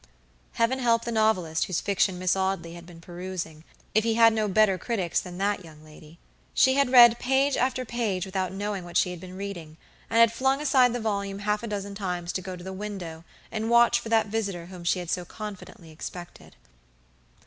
Heaven help the novelist whose fiction Miss Audley had been perusing, if he had no better critics than that young lady. She had read page after page without knowing what she had been reading, and had flung aside the volume half a dozen times to go to the window and watch for that visitor whom she had so confidently expected.